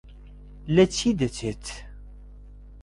لە چی دەچێت؟